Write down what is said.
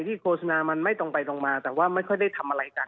โฆษณามันไม่ตรงไปตรงมาแต่ว่าไม่ค่อยได้ทำอะไรกัน